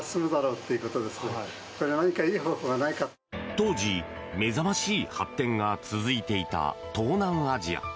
当時、目覚ましい発展が続いていた東南アジア。